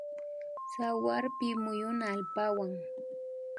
Tsawarpi muyuna allpawan